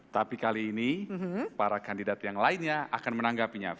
tapi kali ini para kandidat yang lainnya akan menanggapinya